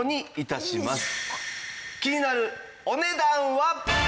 気になるお値段は？